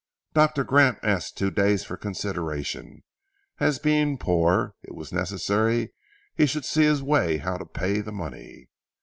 Dr. Grant asked two days for consideration, as being poor it was necessary he should see his way how to pay the money.